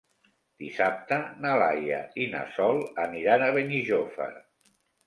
Dissabte na Laia i na Sol aniran a Benijòfar.